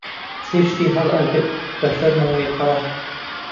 چێشتی هەڵئەگرت بە شەرم و ویقار